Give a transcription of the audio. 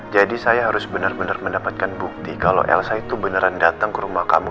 jadi saya harus benar benar mendapatkan bukti kalau elva itu beneran datang ke rumah kamu